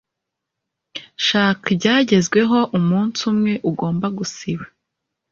shaka ibyagezweho umunsi umwe ugomba gusiba